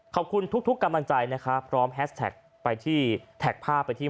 ขอบคุณทุกกำลังใจนะคะพร้อมแฮสแท็กไปที่แท็กภาพไปที่